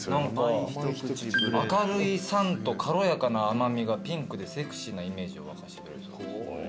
明るい酸と軽やかな甘味がピンクでセクシーなイメージを湧かせてくれるそうです。